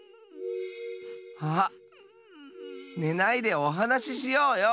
あっねないでおはなししようよ。